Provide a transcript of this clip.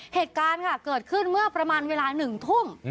เหตุการณ์ค่ะเกิดขึ้นเมื่อประมาณเวลา๑ทุ่ม